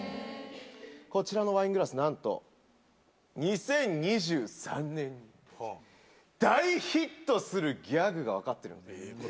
こちらのワイングラス、なんと、２０２３年に大ヒットするギャグが分かってる。